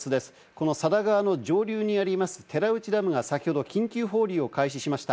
この佐田川の上流にあります、寺内ダムが先ほど緊急放流を開始しました。